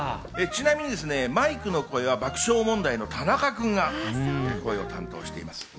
ちなみにマイクの声は爆笑問題の田中君が声を担当しています。